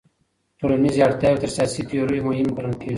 ټولنيزي اړتياوي تر سياسي تيوريو مهمي ګڼل کېږي.